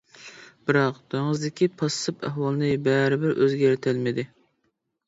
بىراق، دېڭىزدىكى پاسسىپ ئەھۋالنى بەرىبىر ئۆزگەرتەلمىدى.